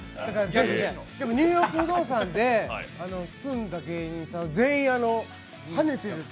でも「ニューヨーク不動産」で住んだ芸人さん、全員はねてるって。